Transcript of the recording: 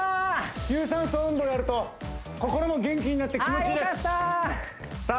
有酸素運動やると心も元気になって気持ちいいですああよかった！